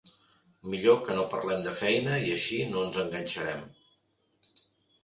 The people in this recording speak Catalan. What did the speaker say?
Millor que no parlem de feina i així no ens enganxarem.